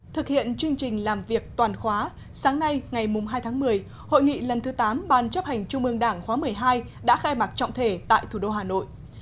thực hiện chương trình làm việc toàn khóa sáng nay ngày hai tháng một mươi hội nghị lần thứ tám ban chấp hành trung ương đảng khóa một mươi hai đã khai mạc trọng thể tại thủ đô hà nội